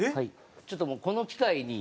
ちょっともうこの機会に。